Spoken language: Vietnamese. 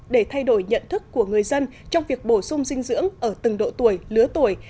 để thay đổi nhận thức của người dân trong việc bổ sung dinh dưỡng ở từng độ tuổi lứa tuổi